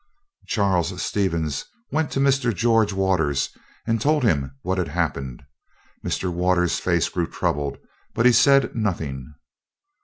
Charles Stevens went to Mr. George Waters and told him what had happened. Mr. Waters' face grew troubled; but he said nothing.